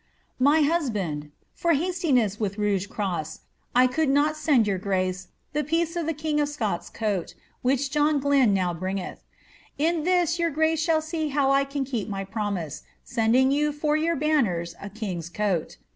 * My hasbaad, tbr hastiness with Rooge crosse, I could not send your grace the piece of the king of Scotts* coat, which John Glyn now bringeth. In this your paee sfaall see how I can keep my promise, sending you lor your banners a kiag*a coat.